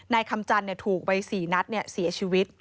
นายคำจันถูกไปสี่นัดเสียชีวิต